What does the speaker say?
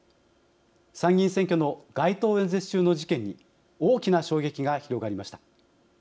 参議院選挙の街頭演説中の事件に大きな衝撃が広がりました。